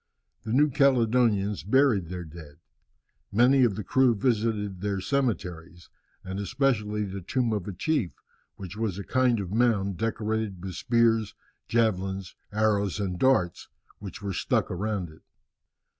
The New Caledonians buried their dead. Many of the crew visited their cemeteries, and especially the tomb of a chief, which was a kind of mound, decorated with spears, javelins, arrows, and darts, which were stuck around it.